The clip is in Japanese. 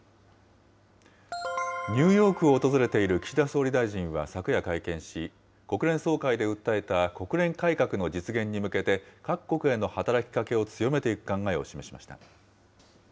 ニューヨークを訪れている岸田総理大臣は昨夜会見し、国連総会で訴えた国連改革の実現に向けて、各国への働きかけを強めていく考えを示しました。